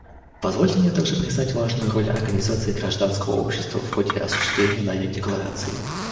Позвольте мне также признать важную роль организаций гражданского общества в ходе осуществления нами Декларации.